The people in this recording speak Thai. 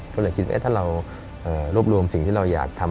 ก็เลยคิดว่าถ้าเรารวบรวมสิ่งที่เราอยากทำ